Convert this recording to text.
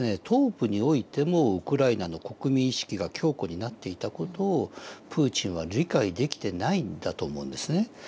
東部においてもウクライナの国民意識が強固になっていた事をプーチンは理解できてないんだと思うんですね。